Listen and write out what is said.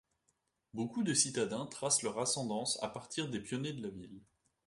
Beaucoup de citadins tracent leur ascendance à partir des pionniers de la ville.